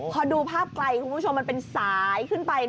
พอดูภาพไกลคุณผู้ชมมันเป็นสายขึ้นไป